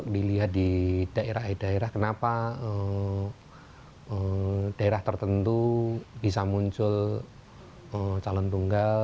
dilihat di daerah daerah kenapa daerah tertentu bisa muncul calon tunggal